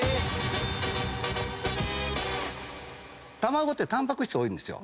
卵ってタンパク質多いんですよ。